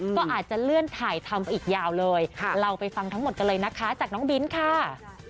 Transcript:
ก็อาจจะเลื่อนถ่ายทำอีกยาวเลยเราไปฟังทั้งหมดกันเลยนะคะจากน้องบินค่ะ